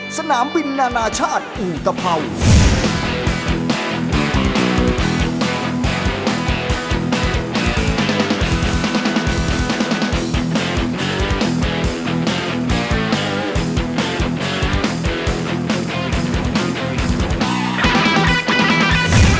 สนามบินนานาชาติอุตภัวร์